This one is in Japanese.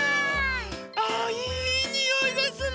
あいいにおいですね！